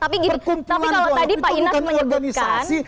perkumpulan golf itu bukan organisasi